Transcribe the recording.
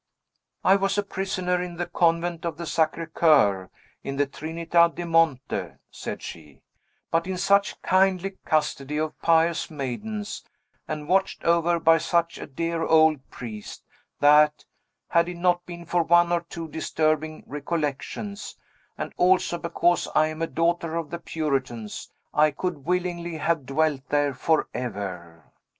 "I was a prisoner in the Convent of the Sacre Coeur, in the Trinita de Monte," said she, "but in such kindly custody of pious maidens, and watched over by such a dear old priest, that had it not been for one or two disturbing recollections, and also because I am a daughter of the Puritans I could willingly have dwelt there forever.